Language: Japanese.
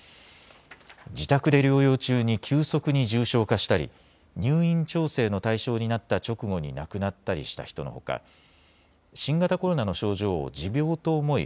自宅で療養中に急速に重症化したり入院調整の対象になった直後に亡くなったりした人のほか新型コロナの症状を持病と思い